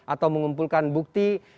atau mengumpulkan bukti